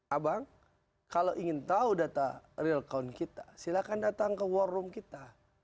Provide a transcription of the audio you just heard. abang kalau ingin tahu data real count kita silahkan datang ke war room kita